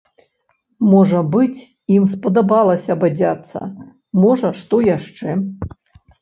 Можа быць, ім спадабалася бадзяцца, можа, што яшчэ?